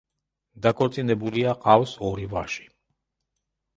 დაქორწინებულია, ჰყავს ორი ვაჟი.